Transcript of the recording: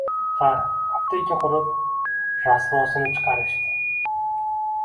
Ha, apteka qurib, rasvosini chiqarishdi.